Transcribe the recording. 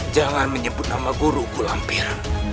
jangan menyebut nama guruku lampir